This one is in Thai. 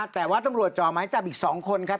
แต่ว่าตำรวจจ่อไม้จับอีก๒คนครับ